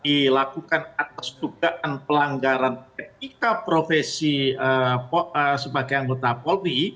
dilakukan atas tugaan pelanggaran ketika profesi sebagai anggota polri